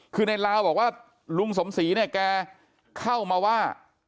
คือในลาวบอกว่าลุงสมศรีเนี่ยแกเข้ามาว่า